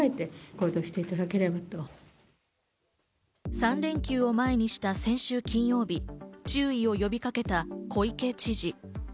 ３連休を前にした先週金曜日、注意を呼びかけた小池知事。